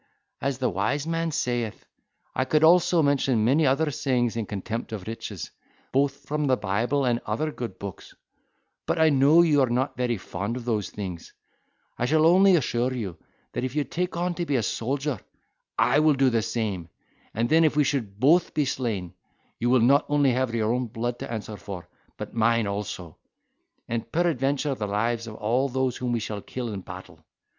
as the wise man saith. I could also mention many other sayings in contempt of riches, both from the Bible and other good books; but I know you are not very fond of those things, I shall only assure you, that if you take on to be a soldier, I will do the same; and then if we should both be slain, you will not only have your own blood to answer for, but mine also: and peradventure the lives of all those whom we shall kill in battle.